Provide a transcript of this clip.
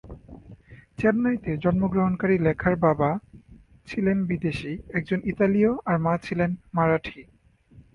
চেন্নাইতে জন্মগ্রহণকারী লেখার বাবা ছিলেন বিদেশী, একজন ইতালীয় আর মা ছিলেন মারাঠি।